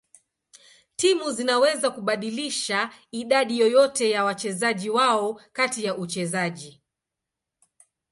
Timu zinaweza kubadilisha idadi yoyote ya wachezaji wao kati ya uchezaji.